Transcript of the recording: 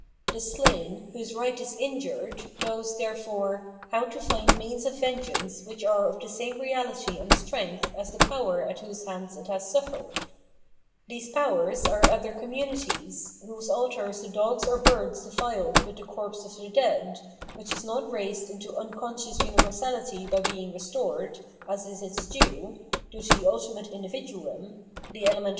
The slain, whose right is injured, knows, therefore, how to find means of vengeance which are of the same reahty and strength as the power at whose hands it has suffered. These powers are other communities,* whose altars the dogs or birds defiled with the corpse of the dead, which is not raised into xmconscious universality by being restored, as is its due, to the ultimate individuum, the elemental * Refers to the attack of Argos against Thebes : v.